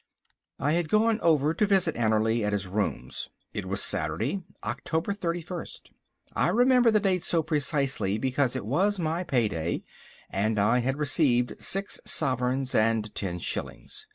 I had gone over to visit Annerly at his rooms. It was Saturday, October 31. I remember the date so precisely because it was my pay day, and I had received six sovereigns and ten shillings.